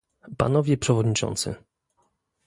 Panowie przewodniczący!